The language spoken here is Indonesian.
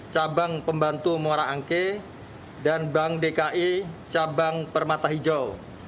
cabang pembantu muara angke dan bank dki cabang permata hijau